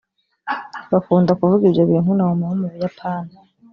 bakunda kuvuga ibyo bintu naomi wo mu buyapani